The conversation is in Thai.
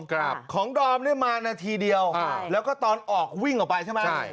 ครับของดอมเนี่ยมานาทีเดียวแล้วก็ตอนออกวิ่งออกไปใช่ไหมใช่